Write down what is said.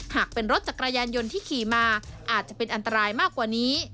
หากเป็นรถจักรยานยนต์ที่ขี่มาอาจจะเป็นอันตรายมากกว่านี้